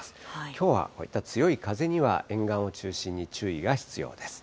きょうはまた強い風には、沿岸を中心に注意が必要です。